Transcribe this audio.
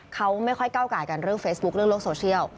เขาไม่ค่อยก้าวกายกันเรื่องเฟซบุ๊คเรื่องโลกโซเชียล